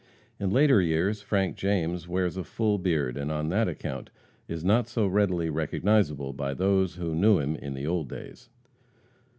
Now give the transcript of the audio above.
In later years Frank James wears a full beard, and on that account is not so readily recognizable by those who knew him in the old days.